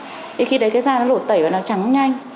thì khi đấy cái da nó đổ tẩy và nó trắng nhanh